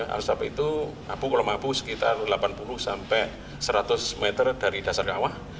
asap itu kolom apu sekitar delapan puluh sampai seratus meter dari dasar kawah